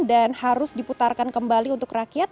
dan harus diputarkan kembali untuk rakyat